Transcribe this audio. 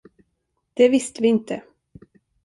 Det visste vi inte.